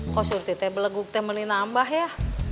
kok suruh tete beleguk temen ini nambah ya